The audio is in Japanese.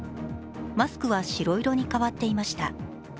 マスクは白色に変わっていました。